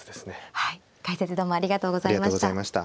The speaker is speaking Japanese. はい解説どうもありがとうございました。